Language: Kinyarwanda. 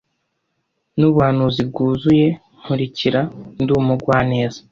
nubuhanzi bwuzuye Nkurikira Ndi umugwaneza